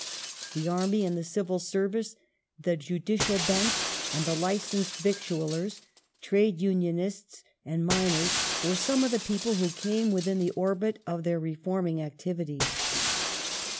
The Army and the Civil Serviette, the Judicial Bench and the licensed victuallei's, trade unionists apjcl miners, were some of the people who came within the orbit of thei^* reforming activities.